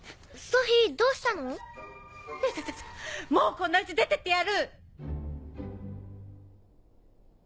イタタタもうこんな家出てってやる！